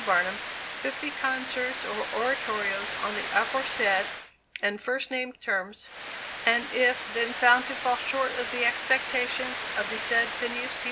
Barnum fifty concerts or oratorios on the aforesaid and first named terms, and if then found to fall short of the expectations of the said Phineas T.